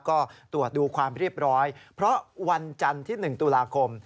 ก็ตรวจดูความเรียบร้อยเพราะวันจันทร์ที่๑ตุลาคม